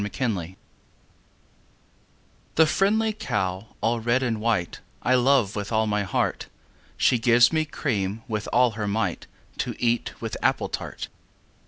XXIII The Cow The friendly cow all red and white, I love with all my heart: She gives me cream with all her might, To eat with apple tart.